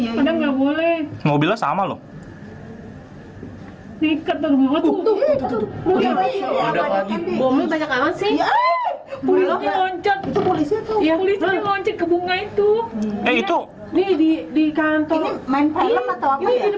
ya nggak boleh mobilnya sama loh hai nikah terburu buru